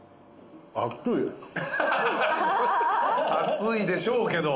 熱いでしょうけど。